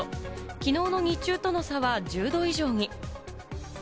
きのうの日中との差は１０度以上に。